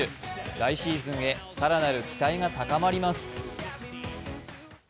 来シーズンへ、更なる期待が高まります。